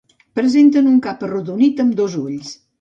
Presenten un cap arrodonit amb dos ulls.